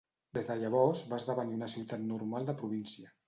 Des de llavors va esdevenir una ciutat normal de província.